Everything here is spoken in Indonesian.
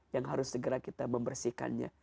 yang harus segera kita membersihkannya